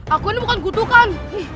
aku ini bukan kutukan